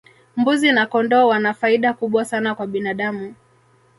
mbuzi na kondoo wana faida kubwa sana kwa binadamu